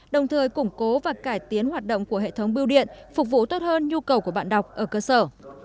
đồng thời củng cố và cải tiến hoạt động của hệ thống bưu điện phục vụ tốt hơn nhu cầu của bạn đọc ở cơ sở